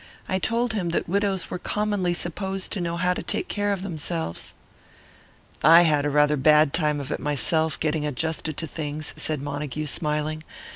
I told him that widows were commonly supposed to know how to take care of themselves." "I had a rather bad time of it myself, getting adjusted to things," said Montague, smiling.